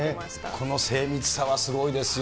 この精密さはすごいですよ。